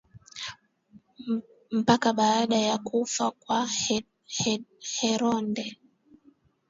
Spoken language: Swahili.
mpaka baada ya kufa kwa Herode